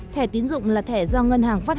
thẻ tiến dụng